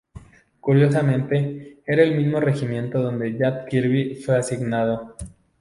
Curiosamente era el mismo regimiento donde Jack Kirby fue asignado.